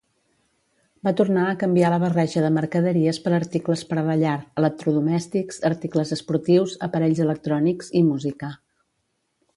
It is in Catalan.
Va tornar a canviar la barreja de mercaderies per articles per a la llar, electrodomèstics, articles esportius, aparells electrònics i música.